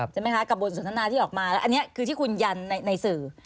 ใช่ไหมคะกับบทสนทนาที่ออกมาแล้วอันนี้คือที่คุณยันในสื่อ